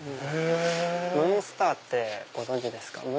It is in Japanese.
ムーンスターってご存じですか？